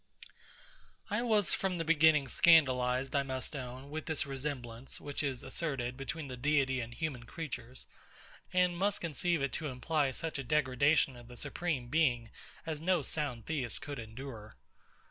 I was from the beginning scandalised, I must own, with this resemblance, which is asserted, between the Deity and human creatures; and must conceive it to imply such a degradation of the Supreme Being as no sound Theist could endure.